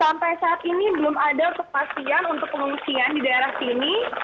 sampai saat ini belum ada kepastian untuk pengungsian di daerah sini